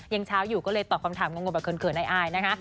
ยังเช้าอยู่ก็เลยตอบความถามงงบังเคิร์ตในอายนะคะ